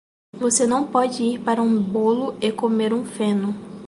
Você não pode ir para um bolo e comer um feno.